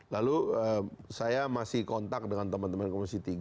lalu saya masih kontak dengan teman teman komisi tiga